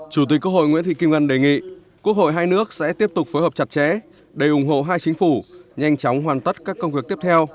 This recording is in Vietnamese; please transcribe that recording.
chủ tịch quốc hội nguyễn thị kim ngân đề nghị quốc hội hai nước sẽ tiếp tục phối hợp chặt chẽ để ủng hộ hai chính phủ nhanh chóng hoàn tất các công việc tiếp theo